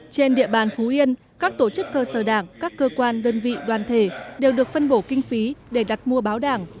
trên địa bàn phú yên các tổ chức cơ sở đảng các cơ quan đơn vị đoàn thể đều được phân bổ kinh phí để đặt mua báo đảng